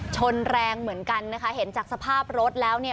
ชนแรงเหมือนกันนะคะเห็นจากสภาพรถแล้วเนี่ย